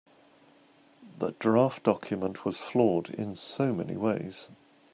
The draft document was flawed in so many ways.